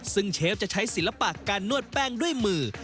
ซึ่งเชฟจะใช้ศิลปะการนวดแป้งด้วยมือ